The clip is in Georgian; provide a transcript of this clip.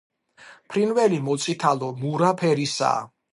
ფრინველი მოწითალო-მურა ფერისაა.